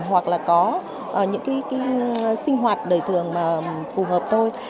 hoặc là có những cái sinh hoạt đời thường mà phù hợp thôi